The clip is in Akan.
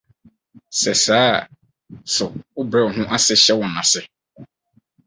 Sɛ saa a, so wobrɛ wo ho ase hyɛ wɔn ase?